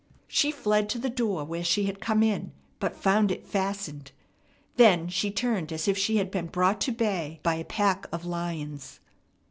She fled to the door where she had come in, but found it fastened. Then she turned as if she had been brought to bay by a pack of lions.